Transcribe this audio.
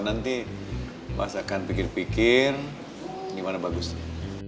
nanti mas akan pikir pikir gimana bagusnya